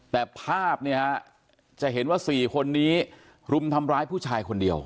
แต่ภาพจะเห็นว่าสี่คนนี้รุมทำร้ายผู้ชายคนเดียว